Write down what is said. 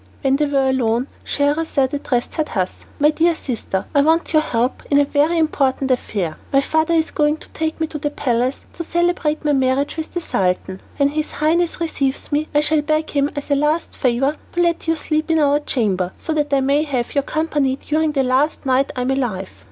When they were alone, Scheherazade addressed her thus: "My dear sister; I want your help in a very important affair. My father is going to take me to the palace to celebrate my marriage with the Sultan. When his Highness receives me, I shall beg him, as a last favour, to let you sleep in our chamber, so that I may have your company during the last night I am alive.